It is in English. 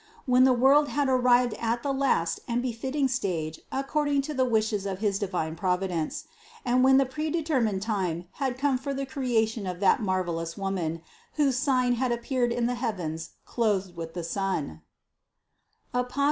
When the world had arrived at the last and befitting1 stage according to the wishes of his divine Providence; and when the prede termined time had come for the creation of that mar velous woman, whose sign had appeared in the heavens clothed with the sun (Apoc.